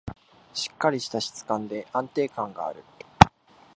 しっかりした質感で安心感がある